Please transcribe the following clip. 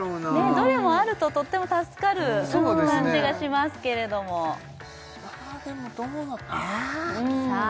どれもあるととっても助かる感じがしますけれどもでもどうなんあ？